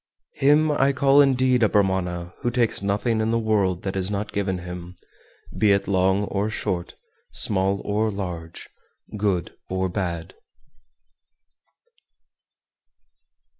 409. Him I call indeed a Brahmana who takes nothing in the world that is not given him, be it long or short, small or large, good or bad.